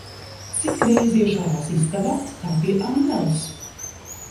Cik reiz iešāvās istabā, tā pie Anneles.